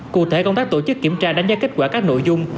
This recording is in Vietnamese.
cụ thể công tác tổ chức kiểm tra đánh giá kết quả các nội dung